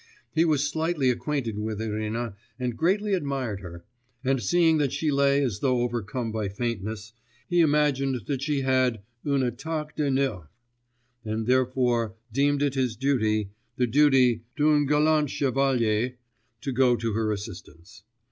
He was slightly acquainted with Irina, and greatly admired her, and seeing that she lay as though overcome by faintness, he imagined that she had 'une attaque de nerfs,' and therefore deemed it his duty, the duty d'un galant chevalier, to go to her assistance.